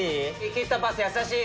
キットパス優しい？